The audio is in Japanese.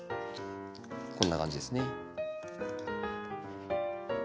こんな感じですね。